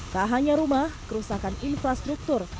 tak hanya rumah kerusakan infrastruktur